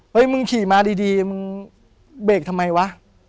มึงขี่มาดีมึงเบรกทำไมวะ